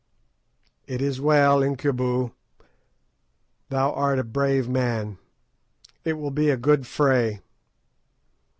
"It is well, Incubu; thou art a brave man. It will be a good fray.